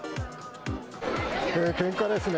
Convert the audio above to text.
けんかですね。